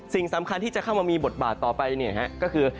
สิ่งสำคัญที่จะเข้ามามีบทบาทต่อไปก็คือ